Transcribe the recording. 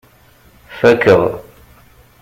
Fakeɣ.